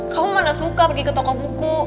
kamu mana suka pergi ke toko buku